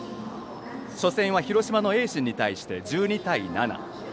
初戦は広島の盈進に対して１２対７。